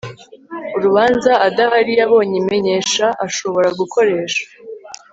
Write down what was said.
urubanza adahari yabonye imenyesha ashobora gukoresha